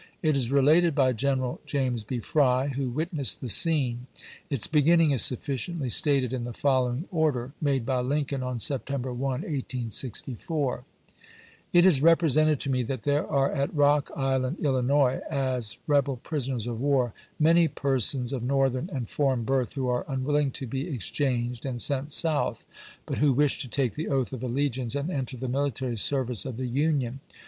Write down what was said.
It is related by Greneral James B. Fry, who wit nessed the scene. Its beginning is sufficiently stated in the following order, made by Lincoln on September 1, 1864 : It is represented to me that there are at Rock Island, Illinois, as rebel prisoners of war, many persons of Northern and foreign birth who are unwiUing to be ex changed and sent South, but who wish to take the oath of allegiance and enter the military service of the Union.